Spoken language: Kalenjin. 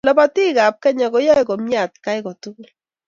Lobotii ab Kenya koyoe komie atkai kotugul.